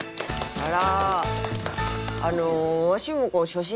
あら！